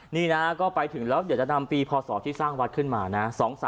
นี่นะก็ไปถึงแล้วเดี๋ยวจะนำปีพศที่สร้างวัดขึ้นมานะ